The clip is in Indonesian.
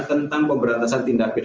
tentang pemberantasan tindak beda